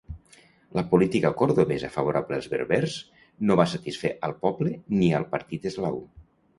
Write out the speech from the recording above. La política cordovesa favorable als berbers no va satisfer al poble ni al partit eslau.